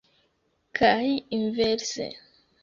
Kaj inverse.